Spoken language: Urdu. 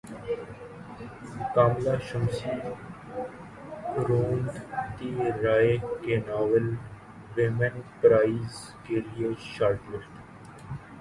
کاملہ شمسی اروندھتی رائے کے ناول ویمن پرائز کیلئے شارٹ لسٹ